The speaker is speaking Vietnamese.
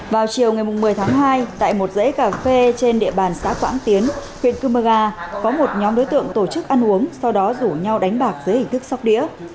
vào chiều ngày một mươi tháng hai tại một dãy cà phê trên địa bàn xã quảng tiến huyện cơ mơ ga có một nhóm đối tượng tổ chức ăn uống sau đó rủ nhau đánh bạc dưới hình thức sóc đĩa